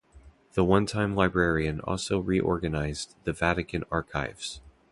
The onetime librarian also reorganized the Vatican archives.